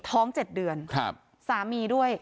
ท้องเจ็ดเดือนซามีด้วย